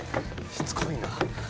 しつこいな。